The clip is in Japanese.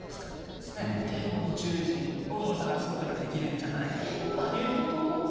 宇宙人を探すことができるんじゃないかと。